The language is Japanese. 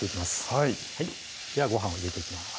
はいではご飯を入れていきます